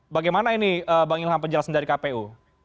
bagaimana ini bang ilham penjelasan dari kpu